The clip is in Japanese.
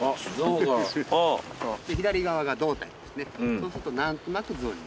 そうすると何となくゾウに。